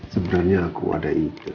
sebenarnya aku ada